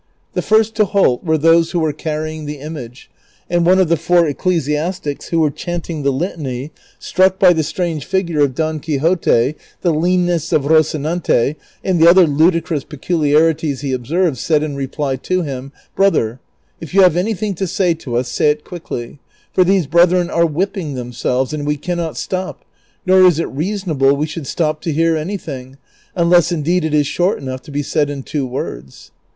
The first to halt Avere those who were carrying the image, and one of the four ecclesiastics who were chanting the Litany, struck by the strange figure of Don Qui xote, the leanness of Eocinante, and the other ludicrous pecu liarities he observed, said in reply to him, •' Brother, if you have anything to say to us say it quickly, for these brethren are whipping themselves, and we cannot stop, nor is it reason able Ave should stop to hear anything, unless indeed it is short enough to be said in two words."